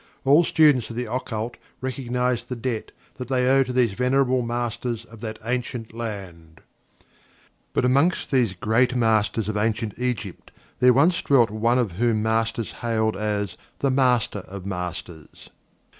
All students of the Occult recognize the debt that they owe to these venerable Masters of that ancient land. But among these great Masters of Ancient Egypt there once dwelt one of whom Masters hailed as "The Master of Masters."